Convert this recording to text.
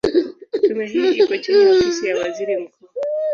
Tume hii ipo chini ya Ofisi ya Waziri Mkuu.